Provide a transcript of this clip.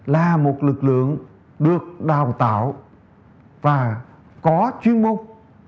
là một lực lượng được đào tạo và có chuyên môn